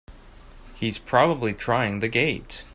He's probably trying the gate!